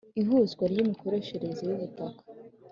ihuzwa ry’imikoreshereze y’ubutaka